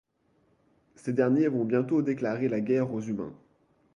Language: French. Ces derniers vont bientôt déclarer la guerre aux humains.